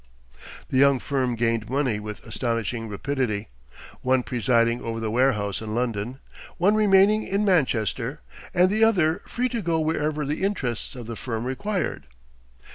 The young firm gained money with astonishing rapidity, one presiding over the warehouse in London, one remaining in Manchester, and the other free to go wherever the interests of the firm required.